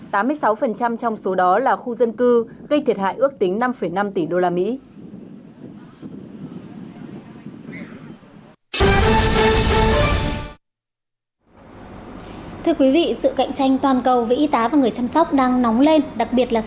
tám mươi sáu trong số đó là khu dân cư gây thiệt hại ước tính năm năm tỷ usd